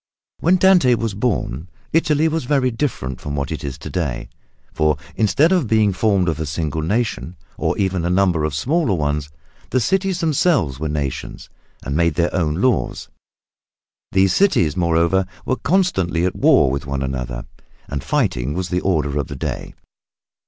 When Dante was born Italy was very different from what it is to day, for instead of being formed of a single nation, or even of a number of smaller ones, the cities themselves were nations and made their own laws. These cities, moreover, were constantly at war with one another, and fighting was the order of the day.